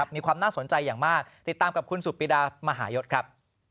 มีความน่าสนใจอย่างมากติดตามกับคุณสุดปิดามหายศครับ